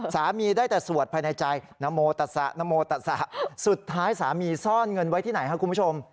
สามีได้แต่สวดภายในใจสุดท้ายสามีซ่อนเงินไว้ที่ไหนครับคุณผู้ชม